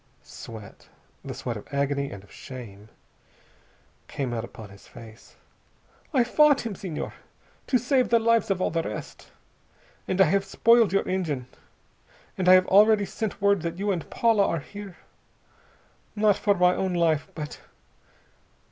Sweat, the sweat of agony and of shame, came out upon his face. "I fought him, Senhor, to save the lives of all the rest. And I have spoiled your engine, and I have already sent word that you and Paula are here. Not for my own life, but...."